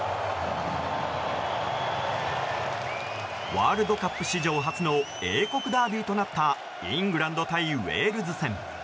ワールドカップ史上初の英国ダービーとなったイングランド対ウェールズ戦。